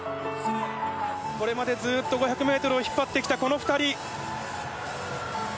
これまでずっと５００ｍを引っ張ってきたこの２人。